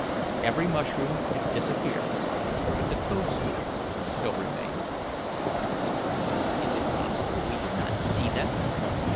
Every mushroom had disappeared, but the toadstools still remained. "Is it possible we did not see them?"